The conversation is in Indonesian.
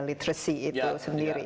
literacy itu sendiri